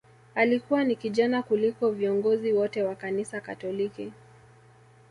Alikuwa ni kijana kuliko viongozi wote wa kanisa Katoliki